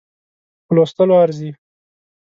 په لوستلو ارزي.